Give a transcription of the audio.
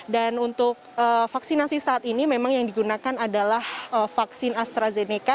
dan untuk vaksinasi saat ini memang yang digunakan adalah vaksin astrazeneca